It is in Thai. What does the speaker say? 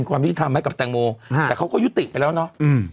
เป็นความที่ทำให้กับแตงโมอ่าแต่เขาก็ยุติไปแล้วเนอะอืม